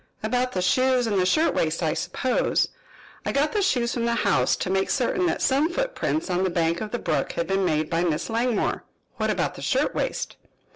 "About the shoes and the shirtwaist, I suppose. I got the shoes from the house to make certain that some footprints on the bank of the brook had been made by Miss Langmore." "What about the shirtwaist?"